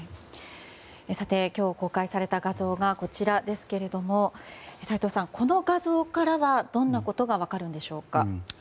さて、今日公開された画像がこちらですけど斎藤さん、この画像からはどんなことが分かるんでしょう。